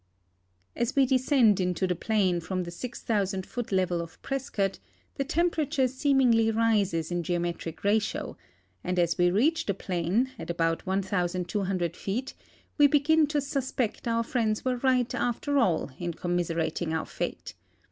As we descend into the plain from the 6,000 foot level of Pres cott the temperature seemingly rises in geometric ratio, and as we reach the plain, at about 1,200 feet, we begin to suspect our friends were right after all in commiserating our fate.